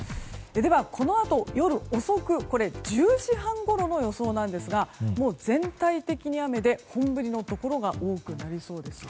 では、このあと夜遅く１０時半ごろの予想ですが全体的に雨で、本降りのところが多くなりそうです。